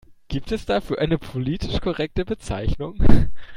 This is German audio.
Gibt es dafür eine politisch korrekte Bezeichnung?